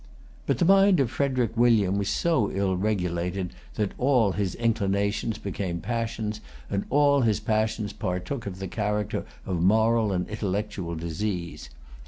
But the mind of Frederic William was so ill regulated that all his inclinations became passions, and all his passions partook of the character of moral and intellectual disease.